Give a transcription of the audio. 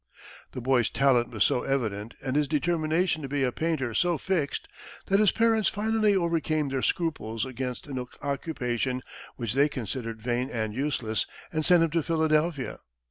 The boy's talent was so evident, and his determination to be a painter so fixed, that his parents finally overcame their scruples against an occupation which they considered vain and useless, and sent him to Philadelphia.